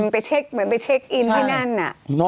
ไปเช็คแมวว่าไปเชคอิ้นที่นั่นน่ะ